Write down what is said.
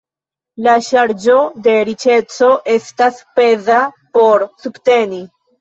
La ŝarĝo de riĉeco estas peza por subteni.